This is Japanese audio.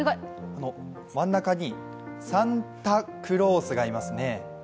真ん中にサンタ・クロースがいますね。